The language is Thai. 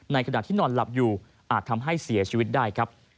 ขณะที่นอนหลับอยู่อาจทำให้เสียชีวิตได้ครับ